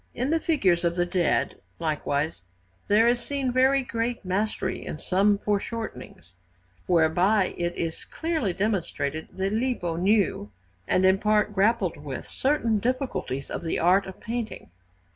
In the figures of the dead, likewise, there is seen very great mastery in some foreshortenings, whereby it is clearly demonstrated that Lippo knew, and in part grappled with, certain difficulties of the art of painting.